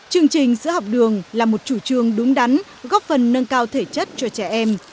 chương trình sữa học đường là một chủ trương đúng đắn góp phần nâng cao thể chất cho trẻ em